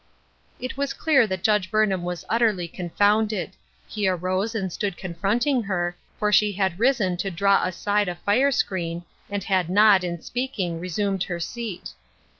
It was clear that Judge Burnham was utterly confounded. He arose and stood confronting her, for she had risen to draw aside a fire screen, and had not, in speaking, resumed her seat.